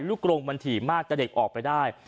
ลูกโรงบัญธีมากจะเด็กออกไปได้